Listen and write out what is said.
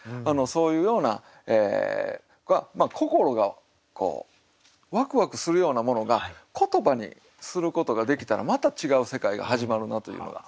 そういうような心がこうワクワクするようなものが言葉にすることができたらまた違う世界が始まるなというのが。